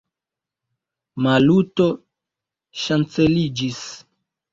Maluto ŝanceliĝis.